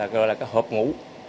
gọi là cái hộp ngủ